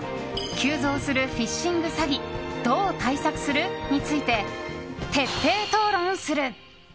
急増するフィッシング詐欺どう対策する？について徹底討論する！